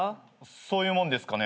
そういうもんですかね。